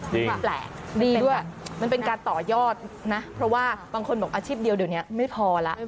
จริงดีด้วยมันเป็นการต่อยอดนะเพราะว่าบางคนบอกว่าอาชีพเดียวไม่พอแล้ว